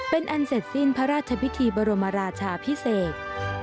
เป็นอันเสร็จสิ้นพระราชพิธีบรมราชาพิเศษ